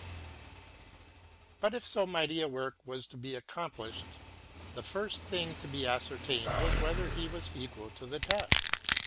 t But if so mighty a work was to be accomplished, the first thing to be ascertained was whether he was equal to the task.